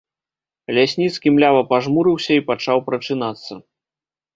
Лясніцкі млява пажмурыўся і пачаў прачынацца.